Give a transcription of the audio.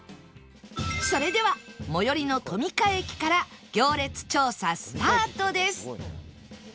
それでは最寄りの富加駅から行列調査スタートです